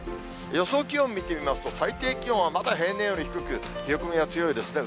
予想気温見てみますと、最低気温はまだ平年より低く、冷え込みが強いですね。